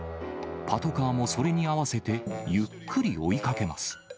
パトカーもそれに合わせて、ゆっくり追いかけます。